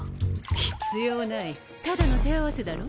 必要ないただの手合わせだろ？